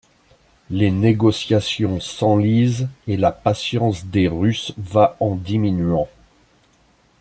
Les négociations s'enlisent, et la patience des Russes va en diminuant.